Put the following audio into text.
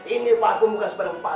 ikan paus terdampar